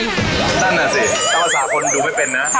นั่นอ่ะสิต้องประสาะคนนแบบดูไม่เป็นนะ